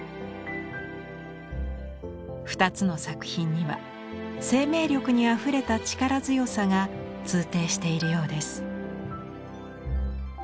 ２つの作品には生命力にあふれた力強さが通底しているようです。